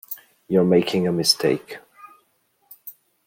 You are making a mistake.